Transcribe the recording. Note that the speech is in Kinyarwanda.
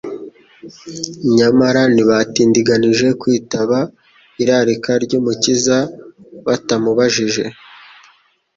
nyamara ntibatindiganije kwitaba irarika ry'Umukiza batamubajije